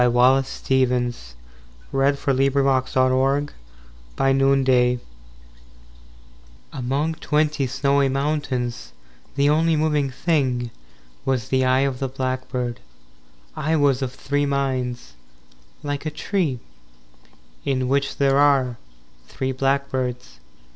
Wallace Stevens Thirteen Ways of Looking at a Blackbird I AMONG twenty snowy mountains The only moving thing Was the eye of the blackbird. II I was of three minds Like a tree In which there are three blackbirds.